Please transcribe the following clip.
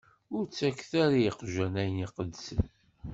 Ur ttaket ara i yiqjan ayen iqedsen.